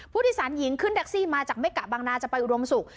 ผู้โดยสารหญิงขึ้นแท็กซี่มาจากเมกะบางนาจะไปอุดมศุกร์